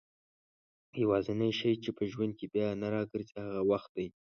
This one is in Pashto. يوازينی شی چي په ژوند کي بيا نه راګرځي هغه وخت دئ